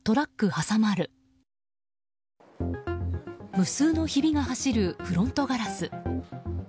無数のひびが走るフロントガラス。